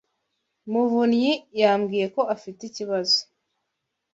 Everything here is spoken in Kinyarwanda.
muvunyi yambwiye ko afite ikibazo.